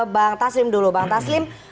bang taslim dulu bang taslim